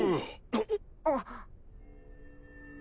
あっ。